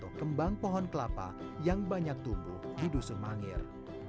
atau kembang pohon kelapa yang banyak tumbuh di dusun mangir